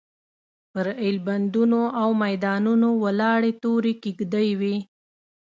پر ایلبندونو او میدانونو ولاړې تورې کېږدۍ وې.